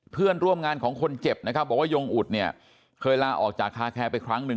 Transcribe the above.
เพื่อนร่วมงานของคนเจ็บนะครับบอกว่ายงอุดเนี่ยเคยลาออกจากคาแคร์ไปครั้งหนึ่ง